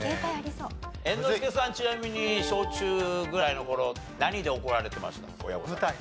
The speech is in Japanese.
猿之助さんちなみに小・中ぐらいの頃何で怒られてました？